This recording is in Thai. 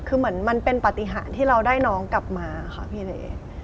คือเหมือนมันเป็นปฏิหารที่เราได้น้องกลับมาค่ะพี่เล็ก